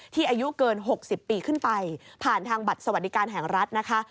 อายุเกิน๖๐ปีขึ้นไปผ่านทางบัตรสวัสดิการแห่งรัฐนะคะ